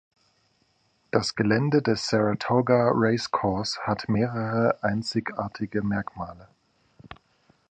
Das Gelände des Saratoga Race Course hat mehrere einzigartige Merkmale.